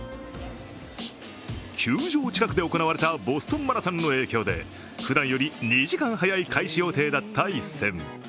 球場近くで行われたボストンマラソンの影響でふだんより２時間早い開始予定だった一戦。